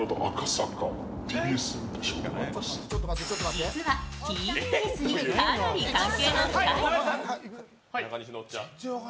実はＴＢＳにかなり関係の深い。